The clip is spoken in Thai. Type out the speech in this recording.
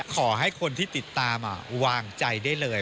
ขอให้คนที่ติดตามวางใจได้เลย